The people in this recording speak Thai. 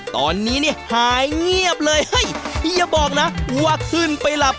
ตอนนี้เนี่ยหายเงียบเลยเฮ้ยอย่าบอกนะว่าขึ้นไปหลับ